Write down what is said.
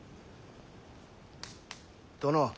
殿。